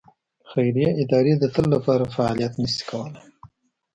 خیریه ادارې د تل لپاره فعالیت نه شي کولای.